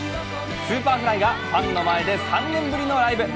Ｓｕｐｅｒｆｌｙがファンの前で３年ぶりのライブ。